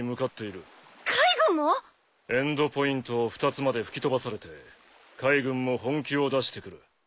エンドポイントを２つまで吹き飛ばされて海軍も本気を出してくる。